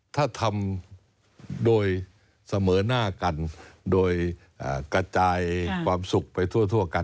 ถ้าทำโดยเสมอหน้ากันโดยกระจายความสุขไปทั่วกัน